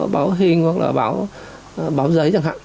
báo hình hoặc là báo giấy chẳng hạn